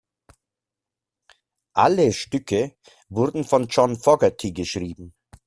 Alle Stücke wurden von John Fogerty geschrieben.